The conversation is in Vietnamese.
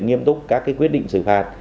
nghiêm túc các quyết định xử phạt